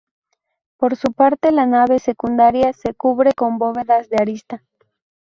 Por su parte la nave secundaria se cubre con bóvedas de arista.